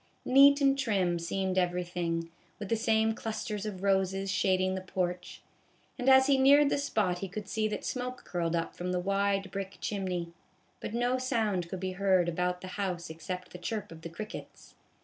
Neat and trim seemed everything, with the same clusters of roses shading the porch ; and as he neared the spot he could see that smoke curled up from the wide brick chimney ; but no sound could be heard about the house except the chirp of the crickets.